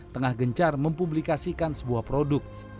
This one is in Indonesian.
tengah gencar mempublikasikan sebuah produk